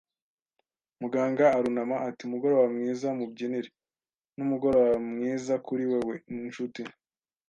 Muganga arunama ati: "Umugoroba mwiza, Mubyinire." “Numugoroba mwiza kuri wewe, nshuti